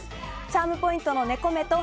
チャームポイントの猫目と